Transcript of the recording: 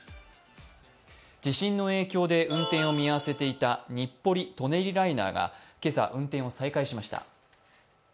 地震の影響で運転を見合わせていた日暮里・舎人ライナーが今朝、運転を再開しました。